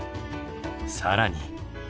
更に！